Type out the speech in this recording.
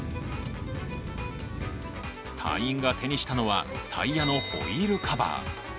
隊員が手にしたのは、タイヤのホイールカバー。